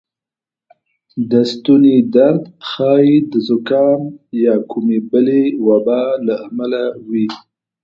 د ستونې درد ښایې د زکام یا کومې بلې وبا له امله وې